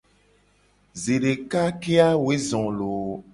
Zedeka ke a woe zo loo.